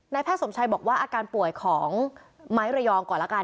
แพทย์สมชัยบอกว่าอาการป่วยของไม้ระยองก่อนละกัน